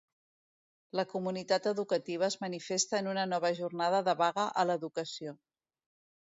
La comunitat educativa es manifesta en una nova jornada de vaga a l’educació.